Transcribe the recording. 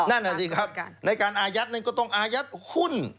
นั่นน่ะสิครับในการอายัดนั้นก็ต้องอายัดหุ้น